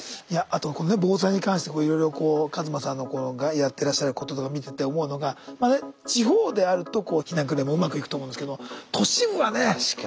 いやあとこのね防災に関していろいろ一馬さんがやってらっしゃることとか見てて思うのが地方であると避難訓練もうまくいくと思うんですけど都市部はね